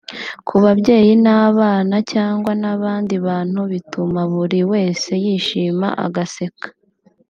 ku babyeyi n’abana cyangwa n’abandi bantu bituma buri wese yishima agaseka